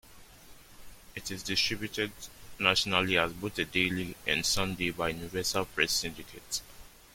It is distributed nationally as both a daily and Sunday by Universal Press Syndicate.